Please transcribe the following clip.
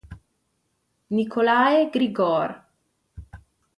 Nicolae Grigore